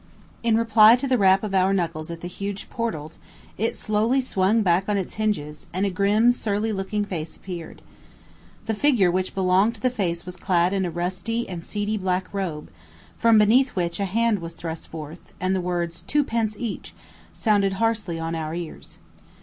In reply to the rap of our knuckles at the huge portals, it slowly swung back on its hinges, and a grim, surly looking face appeared. The figure which belonged to the face was clad in a rusty and seedy black robe, from beneath which a hand was thrust forth, and the words, "two pence each," sounded harshly on our ears.